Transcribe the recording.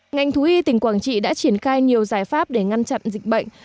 ngành thú y tỉnh quảng trị đã triển khai nhiều giải pháp để ngăn chặn dịch bệnh